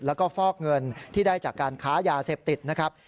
แล้วก็ฟอกเงินที่ได้จากการค้ายาเสพติดนะครับ